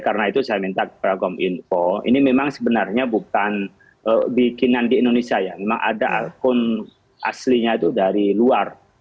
karena itu saya minta ke program info ini memang sebenarnya bukan bikinan di indonesia ya memang ada akun aslinya itu dari luar